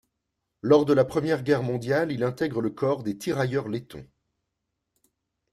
Lors de la Première Guerre mondiale il intègre le corps des Tirailleurs lettons.